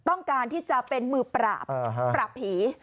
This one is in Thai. ต้องการที่จะเป็นมือปราบปราบผี